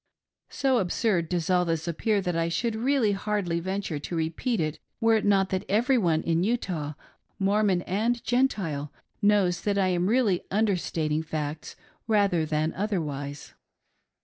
So absurd does all this appear that I should really hardly venture to repeat it were it not that every one in Utah — Mormon and Gentile — knows that I am really understating facts rather than otherwise.